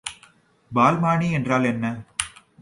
பால்மானி என்றால் என்ன?